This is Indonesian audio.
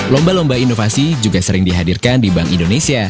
lomba lomba inovasi juga sering dihadirkan di bank indonesia